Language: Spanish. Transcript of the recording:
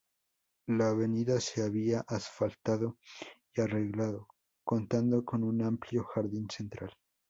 La avenida se había asfaltado y arreglado, contando con un amplio jardín central.